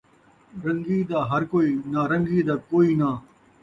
رن٘گی دا ہر کئی ، نارن٘گی دا کئی ناں